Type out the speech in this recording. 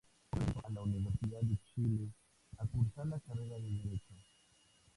Posteriormente ingresó a la Universidad de Chile a cursar la carrera de Derecho.